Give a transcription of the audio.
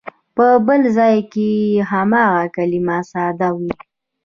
په بل ځای کې هماغه کلمه ساده وي.